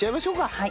はい。